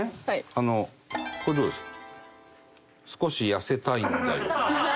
あのこれどうですか？